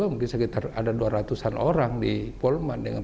mungkin sekitar ada dua ratus an orang di polman